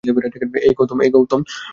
এই, গৌতম!